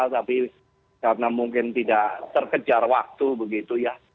tapi karena mungkin tidak terkejar waktu begitu ya